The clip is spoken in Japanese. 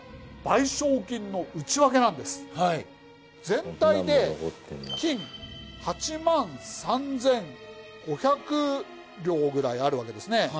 全体で金８万３，５００両ぐらいあるわけですね。